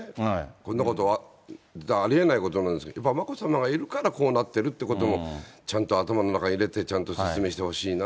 こんなことありえないことなんですが、やっぱり眞子さまがいるからこうなってるってことも、ちゃんと頭の中に入れて、ちゃんと説明してほしいな。